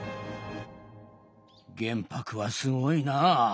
玄白はすごいなあ。